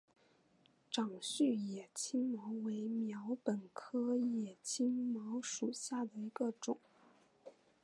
长序野青茅为禾本科野青茅属下的一个种。